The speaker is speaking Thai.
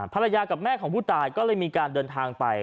ภรรยากับแม่ของผู้ตายก็เลยมีการเดินทางไป